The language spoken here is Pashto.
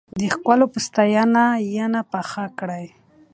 د ښکلو په ستاينه، ينه پخه کړې